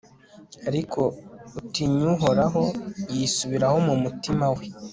ariko utinya uhoraho yisubiraho mu mutima we